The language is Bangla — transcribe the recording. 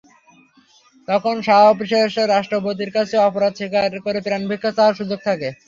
তখন সবশেষ রাষ্ট্রপতির কাছে অপরাধ স্বীকার করে প্রাণভিক্ষা চাওয়ার সুযোগ থাকে।